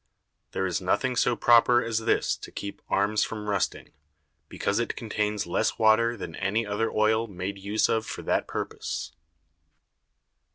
There is nothing so proper as this to keep Arms from rusting, because it contains less Water than any other Oil made use of for that purpose.